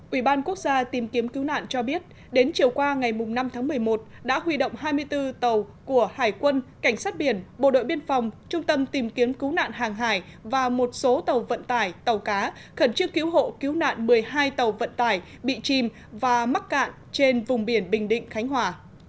ủy ban quốc gia tìm kiếm cứu nạn cho biết đến chiều qua ngày năm tháng một mươi một đã huy động hai mươi bốn tàu của hải quân cảnh sát biển bộ đội biên phòng trung tâm tìm kiếm cứu nạn hàng hải và một số tàu vận tải tàu cá khẩn trương cứu hộ cứu nạn một mươi hai tàu vận tải bị chìm và mắc cạn trên vùng biển bình định khánh hòa